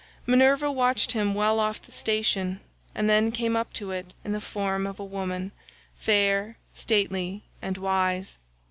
Minerva watched him well off the station, and then came up to it in the form of a woman—fair, stately, and wise.